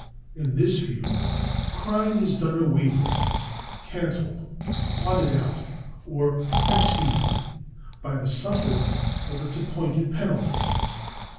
In this view, crime is done away with, cancellad, blotted out, or expiated, by the suffer ing of its appointed penalty.